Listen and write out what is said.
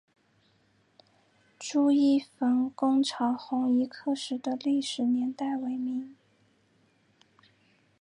朱一冯攻剿红夷刻石的历史年代为明。